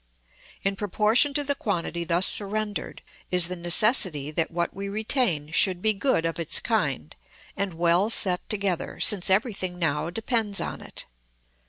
In proportion to the quantity thus surrendered, is the necessity that what we retain should be good of its kind, and well set together, since everything now depends on it.